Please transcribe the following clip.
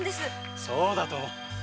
そうだとも！